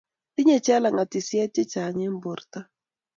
tinyei chelange tisie che chang' eng' borto